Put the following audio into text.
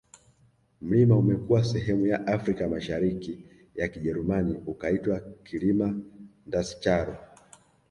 Mlima umekuwa sehemu ya Afrika ya Mashariki ya Kijerumani ukaitwa Kilima Ndscharo